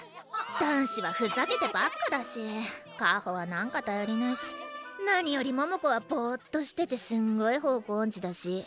男子はふざけてばっかだし香穂は何かたよりないし何より桃子はぼっとしててすんごい方向おんちだし。